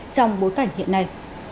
trong bốn cảnh hiện nay